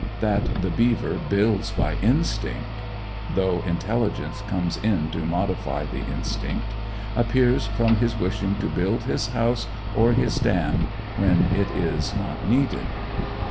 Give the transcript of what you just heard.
That the beaver builds by instinct, though intelligence comes in to modify the instinct, appears from his wishing to build his house or his dam when it is not needed.